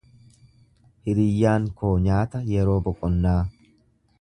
Hiriyyaan koo nyaata yeroo boqonnaa.